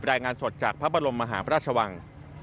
รายงานสดจากพระบรมมหาพระราชวัง